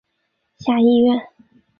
下议院。